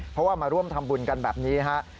เพราะว่ามาร่วมทำบุญกันแบบนี้ฮะ